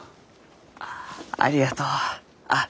ありがとう。あっ。